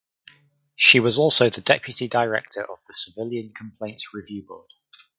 She was also the deputy director of the Civilian Complaint Review Board.